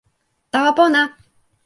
tawa pona!